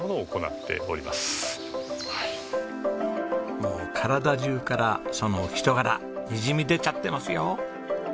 もう体中からその人柄にじみ出ちゃってますよ。